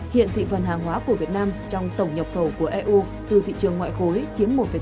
hiện thị phần hàng hóa của việt nam trong tổng nhập khẩu của eu từ thị trường ngoại khối chiếm một tám